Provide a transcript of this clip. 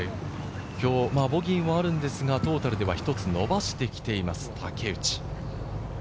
ボギーもあるんですが、トータルでは１つ伸ばしてきています、竹内。